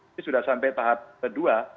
ini sudah sampai tahap kedua